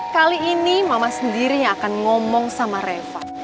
kali ini mama sendiri yang akan menang